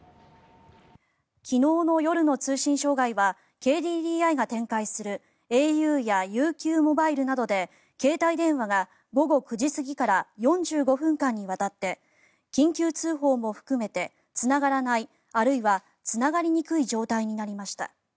昨日の夜の通信障害はＫＤＤＩが展開するａｕやＵＱモバイルなどで携帯電話が午後９時過ぎから４５分間にわたって緊急通報も含めてつながらない、あるいはつながりにくい状態になりました。